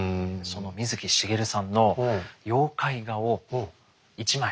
その水木しげるさんの妖怪画を１枚。